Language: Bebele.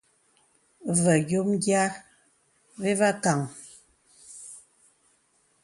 Və yɔmə yìā və và kāŋə.